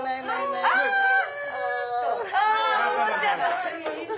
あ戻っちゃった。